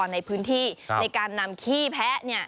ในพื้นที่ในการนำขี้แพ้